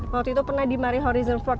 waktu itu pernah di marine horizon empat